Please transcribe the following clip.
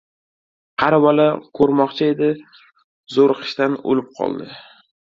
• Qari bola ko‘rmoqchi edi, zo‘riqishdan o‘lib qoldi.